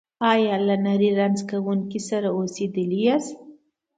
ایا له نري رنځ لرونکي سره اوسیدلي یاست؟